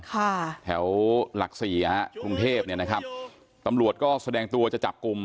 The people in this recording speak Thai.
ค่ะแถวหลักสี่ฮะกรุงเทพเนี่ยนะครับตำรวจก็แสดงตัวจะจับกลุ่ม